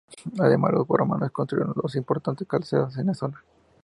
Además los romanos construyeron dos importantes calzadas en la zona.